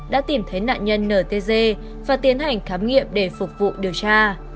đã tìm thấy nạn nhân nở tê dê và tiến hành khám nghiệm để phục vụ điều tra